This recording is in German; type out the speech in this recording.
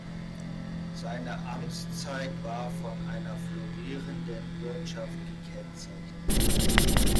Seine Amtszeit war von einer florierenden Wirtschaft gekennzeichnet.